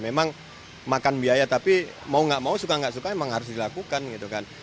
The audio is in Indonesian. memang makan biaya tapi mau gak mau suka nggak suka memang harus dilakukan gitu kan